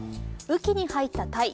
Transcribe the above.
雨季に入ったタイ。